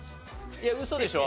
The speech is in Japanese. いやウソでしょ？